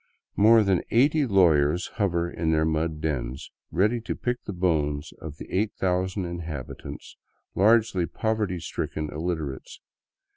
More than eighty lawyers hover in their mud dens, ready to pick the bones of the 8000 inhabitants, largely poverty stricken illiter ates.